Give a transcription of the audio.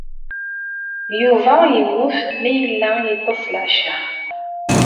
Yuba yemmut mi yella yeṭṭes, leɛca.